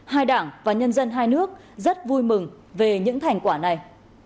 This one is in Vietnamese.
hai đảng và nhân dân hai nước rất vui mừng về những thành quả này